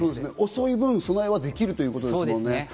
遅い分、備えはできるということですね。